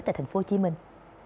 tại thành phố hồ chí minh